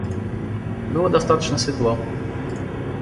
Было достаточно светло.